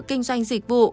kinh doanh dịch vụ